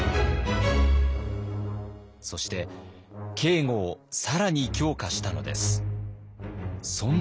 そして警固を更に強化したのです。